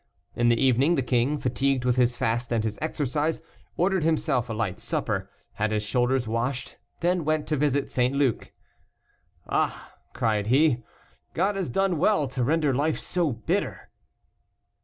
In the evening the king, fatigued with his fast and his exercise, ordered himself a light supper, had his shoulders washed, and then went to visit St. Luc. "Ah!" cried he, "God has done well to render life so bitter."